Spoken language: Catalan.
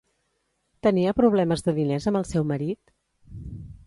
Tenia problemes de diners amb el seu marit?